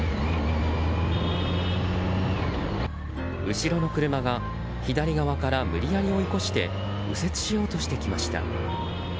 後ろの車が左側から無理矢理追い越して右折しようとしてきました。